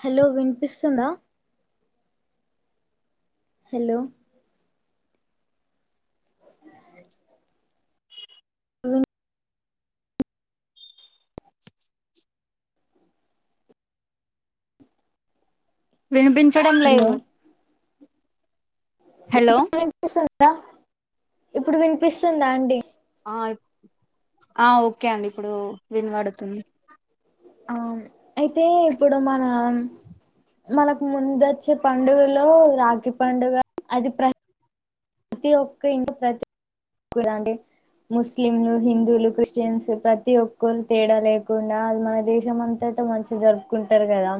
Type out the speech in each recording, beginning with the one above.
Hello వినిపిస్తుందా hello వినిపించడం hello లేదు హలో ఇప్పుడు వినిపిస్తుందా ఇప్పుడు వినిపిస్తుందా అండి ఆ ఓకే అండి ఇప్పుడు వినపడుతుంది ఆ అయితే ఇప్పుడు మన మనకు ముందు వచ్చే పండుగలో రాఖీ పండుగ అది ప్ర ప్రతి ఒక్క ఇంట్లో ప్రతి ఒక రండి ముస్లింలు, హిందులు, క్రిస్టియన్స్ ప్రతి ఒక్కరు తేడా లేకుండా ఆలు మన దేశం అంతా త మంచిగా జరుపుకుంటరు కదా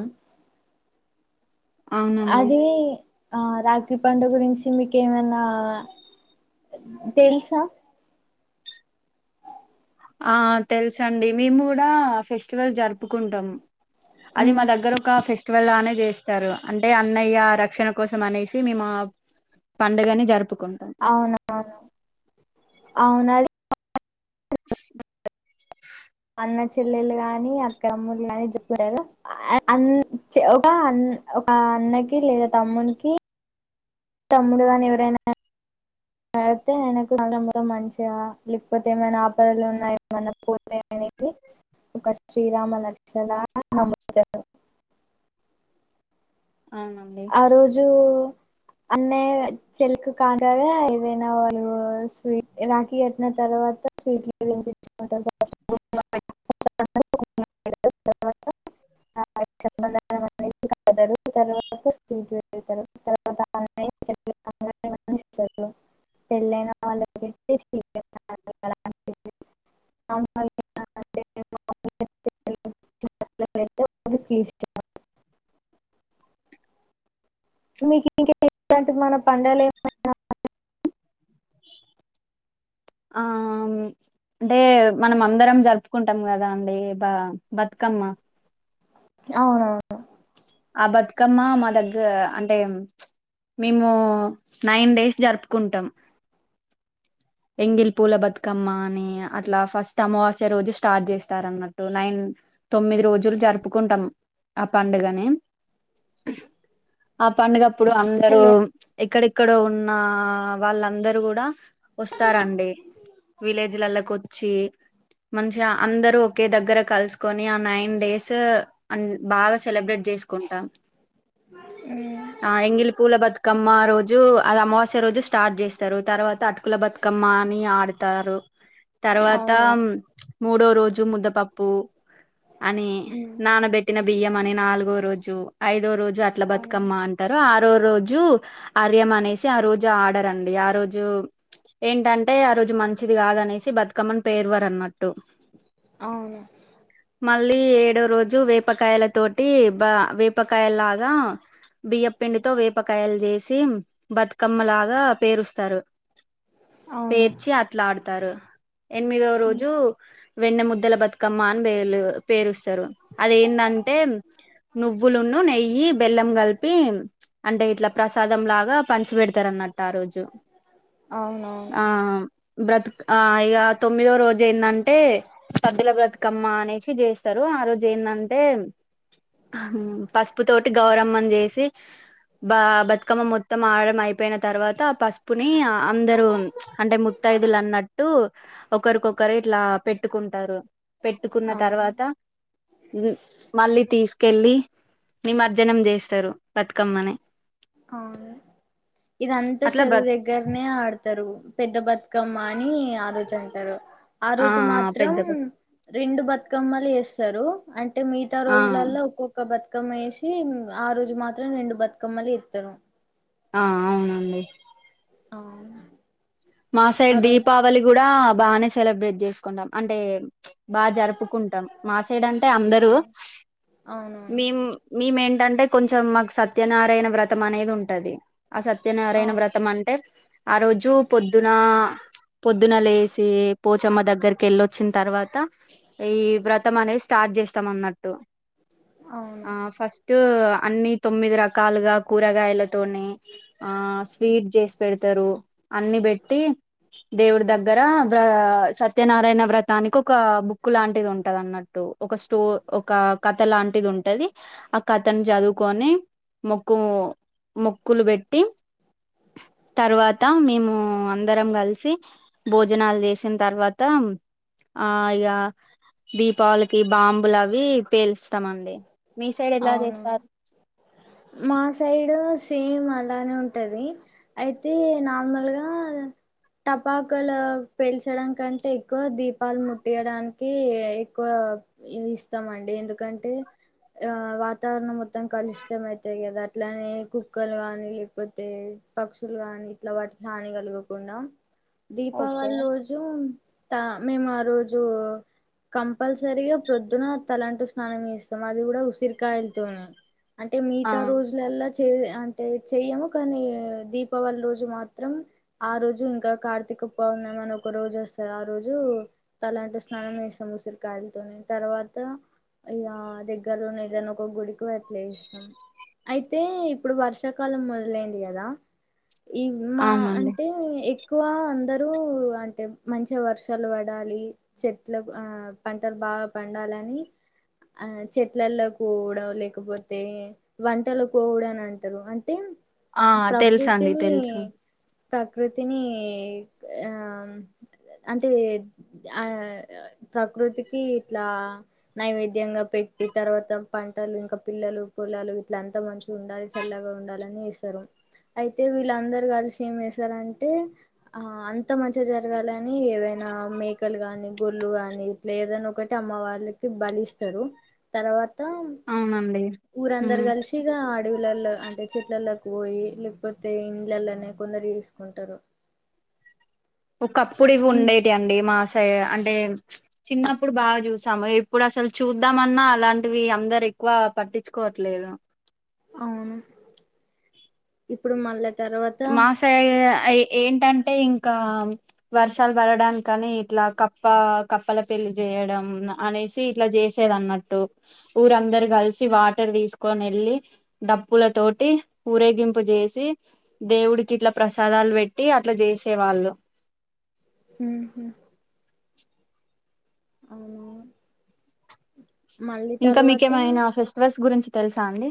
అవునండి అది ఆ రాఖీ పండుగ గురించి మీకు ఏమైనా తెలుసా ఆ తెలుసండి మేము కూడా ఫెస్టివల్ జరుపుకుంటాము అది మా దగ్గర ఒక ఫెస్ట్ వల్ లానే చేస్తారు అంటే అన్నయ్య రక్షణ కోసం అనేసి మేమా పండుగని జరుపు అవును అవును అవునది [inaudible] అన్న చెల్లెళ్లు గాని అక్క అమ్ములు గాని చెపారు అన్ ఒక అన్న ఒక అన్నకి లేదా తమ్మునికి తమ్ముడు గాని ఎవరనా కడితే ఆయన చాలా మంచిగా లేకపోతే ఏమైనా ఆపదలు ఉన్నా ఏమన్నా పోతే ఒక శ్రీరామ రక్షగా నమ్ముతరు అవునండి ఆ రోజు అన్నయ చెల్లకు కానుకగా ఏదనా వాళ్ళు స్వీట్ రాఖీ పెట్టిన తర్వాత స్వీట్లు తినిపిచికుంటరు ఫస్ట్ కుంకుమ పెటుకుంటారు ఫస్ట్ అన్నయ్య కు కుంకుమ పెడతారు తర్వాత ఆ రక్షబంధనం అనేది కడతారు తరువాత కొంచం స్వీట్ పెడుతారు తర్వాత అన్నయ్య చెలెళ్లి కాళ్ళు ఏమన్నా ఇస్తారు పెళ్ళన వాళ్లకు ఐతే చీర అలాంటివి పెడతారు అన్నయ్య అంటే [unintelligible] [unintelligible] మీకు ఇంకా ఇలాంటి మన పండలు ఏమైనా [inaudible] ఆమ్ అంటే మనం అందరం జరుపుకుంటాం కదా అండి బా బతుకమ్మ అవునవును ఆ బతుకమ్మ మా దగ్గ ప్చ్ అంటే మేము నైన్ డేస్ జరుపుకుంటాం [inaudible] ఎంగిల్ పూల బతుకమ్మ అని అట్లా ఫస్ట్ అమావాస్య రోజు స్టార్ట్ చేస్తారు అన్నట్టు నైన్ తొమ్మిది రోజులు జరుపుకుంటాం ఆ పండుగని ఆ పండుగప్పుడు అందరూ హలో ఎక్కడెక్కడో ఉన్న వాళ్ళందరు కూడా వస్తారండి విలేజ్ లలోకి వచ్చి [inaudible] మంచిగా అందరూ ఒకే దగ్గర కలుసుకొని ఆ నైన్ డేస్ అన్ బాగా సెలబ్రేట్ చేసి ఉమ్, ఆ ఎంగిలి పూల బతుకమ్మ ఆ రోజు అ అమావాస్య ఈరోజు స్టార్ట్ చేస్తారు తర్వాత అటుకుల బతుకమ్మ అని ఆడుతారు తర్వాత అవునవును మూడో రోజు ముద్దపప్పు అని ఉమ్, నానబెట్టిన బియ్యం మని నాలుగో రోజు ఐదో రోజు అట్లా అవును బతుకమ్మ అంటారు ఆ మరో రోజు అర్యమ అనేసి ఆ రోజు ఆడరండి ఆ రోజు ఏంటంటే ఆ రోజు మంచిది కాదనేసి బతుకమ్మని పేరువర అన్నట్టు అవును మళ్ళీ ఏడో రోజు వేపకాయల తోటి బా వేపకాయల లాగా బియ్యప్ పిండితో వేపకాయలు చేసి బతుకమ్మ లాగా పేరుస్తారు అవును పేర్చి అట్లా ఆడుతారు ఎనిమిదో ఉమ్, రోజు వెన్న ముద్దల బతుకమ్మ అని పేలు పేరుస్తారు అదేంటంటే నువ్వులును నెయ్యి, బెల్లం కలిపి అంటే ఇట్లా ప్రసాదం లాగా పంచి పెడతారు అన్నట్టు ఆ రోజు అవునవును ఆ బ్రతు ఆ ఇక తొమ్మిదో రోజు ఏందంటే సద్దుల బ్రతుకమ్మ అనేసి చేస్తారు ఆ రోజు ఏందంటే పసుపు తోటి గౌరమ్మని చేసి బా బతుకమ్మ మొత్తం ఆడం అయిపోయిన తర్వాత పస్ పుని అందరు అంటే ముత్తైదులు అన్నట్టు ఒకరికొకరు ఇట్లా పెట్టుకుంటారు పెట్టుకున్న అవును తర్వాత వాళ్ళే తీసు కెళ్ళి నిమజ్జనం చేస్తారు బతుకమ్మని అవునులే ఇదంతా అట్లా బ్ర చెరువు దగ్గరనే ఆడు తారు పెద్ద బతుకమ్మ అని ఆ రోజు అంటారు ఆ రోజు మాత్రం పెద్ద బ రెండు బతుకమ్మలు చేస్తారు అం టే మిగతా ఆ రోజులల్లో ఒక్కొక్క బతుకమ్మ వేసి ఆ రోజు మాత్ రం రెండు బతుకమ్మలు [unintelligible] ఆ అవునండి అవునా మా సైడ్ దీపావళి కూడా బానే సెలబ్రేట్ చేసుకుంటాం అంటే బా జరుపుకుంటాం మాసేడు అంటే అందరూ అవును అవునవును మేం మేమేంటంటే కొంచెం మాకు సత్యనారాయణ వ్రతం అనేది ఉంటది ఆ సత్యనారాయణ అవును వ్రతం అంటే ఆ రోజు పొద్దున పొద్దున లేసి పోచమ్మ దగ్గరికి వెళ్ళొచ్చిన తరువా త ఈ వ్రతం అనేది స్టార్ట్ చేస్తాం అన్నట్టు అవును ఆ ఫస్ట్ అన్ని తొమ్మిది రకాలుగా కూరగాయలతోని ఆ స్వీట్ చేసి పెడుతరు వ్ర సత్యనారాయణ వ్రతానికి ఒక బుక్ లాంటిది ఉంటది అన్నట్టు ఒక స్టో ఒక కథ లాం టిది ఉంటది ఆ కథను చదువుకొని మొక్కు మొక్కులు పెట్టి తర్వాత మేము అందరం కలిసి భోజనాలు చేసిన తర్వాత ఆ ఇక దీపావళికి బాంబులు అవి పేలుస్తామండి మీ సైడ్ ఎలా అవును చేస్తారు మా సైడ్ సేమ్ అ ట్లనే ఉంటది అయితే నార్మల్గా టపాకులు పెల్చడం కంటే ఎక్కువ దీపాలు ముట్టియడానికి ఎక్కువ ఇస్తామండి ఎందుకంటే ఆ వాతావరణం మొత్తం కలుశితం అయితయి కదా అట్లానే కుక్కలు గాని లేకపోతే పక్షులు గాని ఇట్లా వాటికి హాని కలగకుండా ఓకే దీపావళి రోజు త మేము ఆ రోజు కంపల్సరిగా ప్రొద్దున తలంటూ స్నానం జేస్తాం ది కూడా ఉసిరికాయలతోనే అంటే ఆ మిగతా రోజులల్లా అంటే చెయము కానీ దీపావళి రోజు మాత్రం ఆ రోజు ఇంకా కార్తీక్ కుప్ప ఉన్నామని ఒక రోజు వస్తది ఆ రోజు తలాంటి స్నానం వేస్తాం ఉసిరికాయలతో తర్వాత ర్వాత ఇగా దగ్గరలో ఏదైనా ఒక గుడికి వెట్లే ఇస్తాం అయితే ఇప్పుడు వర్షాకాలం మొదలైంది కదా ఈ మా అవునండి అంటే ఎక్కువ అందరూ అంటే మంచిగా వర్షాలు పడాలి చెట్ల పంటలు బా బాగా పండాలని ఆ చెట్లల్లో కోవుడొ లేకపోతే వంటలు కోఉడో అని అంటారు అంటే ఆ తెలుసండి ప్రకృతిని తెలుసు ప్రకృతిని ఆ అంటే ఆ ప్రకృతికి ఇట్లా నైవేద్యంగా పెట్ ఈ తర్వాత పంటలు ఇంకా పిల్లలు పొలాలు ఇట్ల అంత మంచిగా ఉండాలి చల్లగా ఉండాలని ఏస్తరు అయితే వీళ్ళందరు కలిసి ఏం చేసారంటే ఆ అంత మంచిగా జరగాలని ఏవైనా నా మేకలు గాని గొర్లు గాని ఇట్లా ఏదన్నా ఒకటి అమ్మ వాళ్ళకి బలి ఇస్తరు మొత్త అవునండి ఊరందరు ఉమ్ కలిసి ఇగా అడవులల్లా అంటే చెట్లల్లకి పోయి కపోతే ఇండ్లల్ల నే కొందరు తీసుకుంటారు ఒకప్పుడు ఇవి ఉండేటి అండి మాస్ అంటే చిన్నప్పుడు బాగా చూసాము ఇప్పుడు అసలు చూద్దామన్నా అలాంటివి అందరి క్కువ పట్టించుకోవట్లేదు అవును ఇప్పుడు మళ్ళా తర్వాత మాసైడ్ ఏంటంటే ఇంకా వర్షాలు పడడాని కనీ ఇట్లా కప్ప కప్పల పెల్లి చేయడం అనేసి ఇట్లా చేసేదన్నట్టు ఊందరు కలిసి వాటర్ తీసు వెళ్ళి డప్పుల తోటి ఊరేగింపు చేసి దేవుడికి ఇట్లా ప్రసాదాలు పెట్టి అట్ల జేసే వాళ్ళు ఉ హు అవును మళ్ళీ ఇంకా తర్వాత మీకేమైనా ఫెస్టివల్స్ గురించి తెలుసా అండి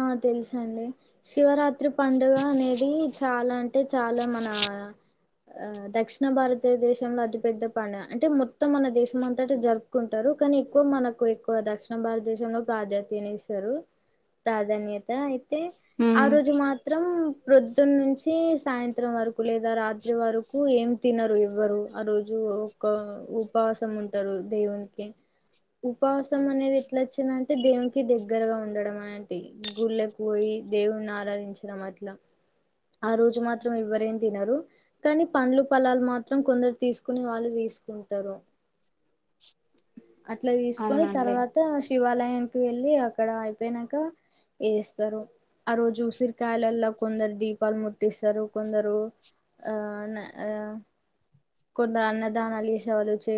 ఆ తెలుస అండి శివరాత్రి పండుగ అనేది చాలా అంటే చాలా మన ఆ దక్షిణ భారతదేశంలో అతిపెద్ద పండుగ అంటే మొత్తం మన దేశం అంతట జరుపుకుంటరు క కని ఎక్కువ మనకు ఎక్కువ దక్షిణ భారతదేశంలో ప్రాధ్యతని ఇస్తరు. ప్రాధాన్యత అయితే ఆ ఉమ్, రోజు మాత్రం ప్రొద్దునుంచి సాయంత్రం వరకు లేదా రాత్రి వరకు ఏం తినరు ఎవ్వరు ఆ రోజు. ఒక ఉపవాసం ఉంటరు దేవునికి. ఉపవాసం అనేది ఎట్లచ్చిందంటే దేవునికి దగ్గరగా ఉండడం అని. గుళ్ళకి పోయి దేవున్ని ఆరాధించినం అట్లా. ఆ రోజు మాత్రం ఎవ్వరేం తినరు, కానీ పండ్లు పలాలు మాత్రం కొందరు తీసుకునే వాళ్ళు తీ సుకుంటరు. అట్లా తీసుకొని అవునండి తర్వాత శివాలయానికి వెళ్ళి అక్కడ అయిపోయినంకా ఎస్తరు ఆ రోజు ఉసిరికాయలల్లా కొందరు దీపాలు ముట్టిస్తరు, కొందరు ఆ న ఆ కొందరు అన్నదానాలు చేశే వాళ్ళు చే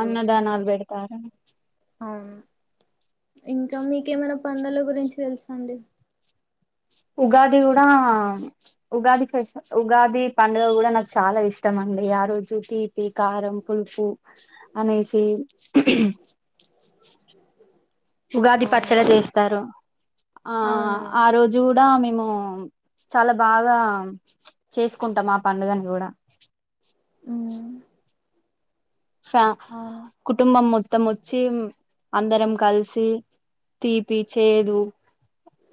అన్నదానాలు పెడతార. అవును ఇంకా మీకేమైనా పండుగల గురించి తెలుసా అండి. ఉగాది కూడా ఉగాది ఫేస్ ఉగాది పండుగ కూడా నాకు చాలా ఇష్టం అండి. ఆ రోజు తీపి, కారం, పు పులుపు అనేసి ఉగాది పచ్చడ అవునవును చేస్తారు. ఆ ఆ అవునవును రోజు కూడా మేం ము చాలా బాగా చేసుకుంటాం ఆ పండుగని కూడా. హ్ ఫ్యా కుటుంబం మొ మొత్తం వచ్చి అందరం కలిసి తీపి, చేదు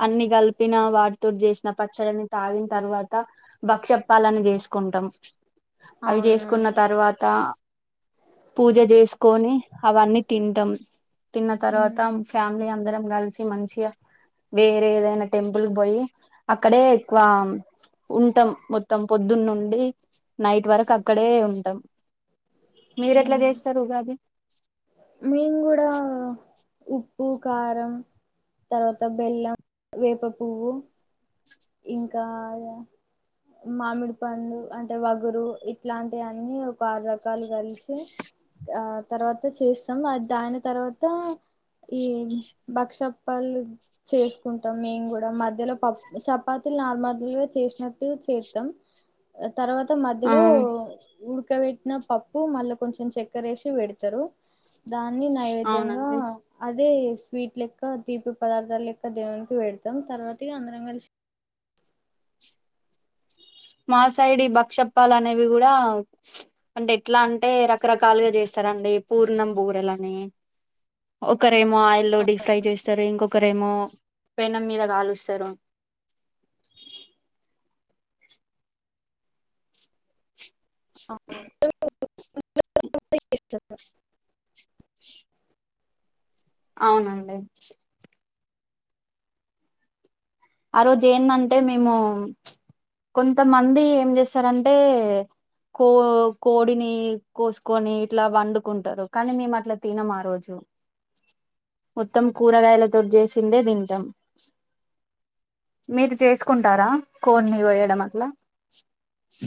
అన్ని కలిపిన వాటితోటి చేసిన పచ్చడిని తాగిన తర్వాత భక్ష్యాప్పాలని చేసుకుంటం. అవి చేసుకున్న అవునవును తర్వాత పూజ చేసుకొని అవన్నీ తింటం, తిన్న ఉమ్ తర్వాత ఫ్యామిలీ అం అందరం కల్సి మంచిగా వేరే ఏదైనా టెంపుల్కి పోయి అక్కడే ఎక్కువ ఉంటం మొత్తం పొద్దునుండి నైట్ వరకు అక్కడే ఉంటం. మీరేట్ల ఉమ్ చేస్తరు ఉగాది? మేము కూడా ఉప్పు, కారం తర్వాత బెల్లం, వేపపువ్వు ఇంకా మామిడి పండు అంటే వగరు ఇట్లాంటియి అన్నీ ఒక ఆరు రకాలు కలిశి ఆ తర్వాత చేస్తాం దాని తర్వాత ఈ భక్షప్పాలు చేసుకుంటం మేము కూడా మధ్యలో పప్ చపాతీలు నార్మల్గా చేసినట్టే చేత్తం. తర్వాత మధ్యలో ఆ ఉడుక్ ఉడక పెట్టిన పప్పు మళ్ళ కొంచెం చక్కరేశి పెడతరు. దాన్ని నైవేద్యంగా అవునండి అ అదే స్వీట్ లెక్క తీపి పదార్థాల లెక్క దేవునికి పెడతం తర్వాత ఇగ అందరం కలిశి మాసైడు ఈ భక్షప్పాలు అనేవి కూడా అంటే ఎట్లా అంటే రకరకాలుగా చేస్తా రండి పూర్ణం బూరలని. ఒక ఏమో ఆయిల్లో డీప్ ఫ్రై చేస్తారు ఇంకొకరేమో పెనం మీద కాలుస్తారు [unintelligible] బిర్యానీ కూడా చేస్తావా అవునండి ఆ రోజు ఏందంటే మేము కొంతమంది ఏం చేస్తారంటే కో కోడిని కోసుకొని ఇట్లా వండుకుంటారు కానీ మేము అట్లా తినం ఆ రోజు అ మొత్తం కూరగాయలతోటి చేసిందే తింటం మీరు చేసుకుంటారా కోన్ని వయడం అట్లా స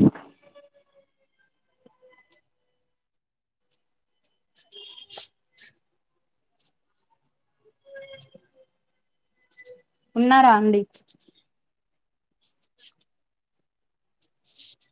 అ ఉన్నారా అండి